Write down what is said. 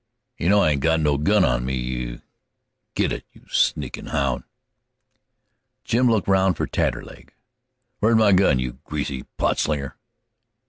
"You know I ain't got a gun on me, you " "Git it, you sneakin' houn'!" Jim looked round for Taterleg. "Where's my gun? you greasy potslinger!"